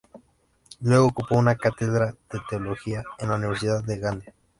Luego ocupó una cátedra de teología en la Universidad de Gandía.